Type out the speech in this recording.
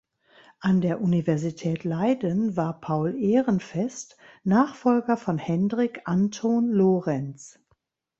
An der Universität Leiden war Paul Ehrenfest Nachfolger von Hendrik Antoon Lorentz.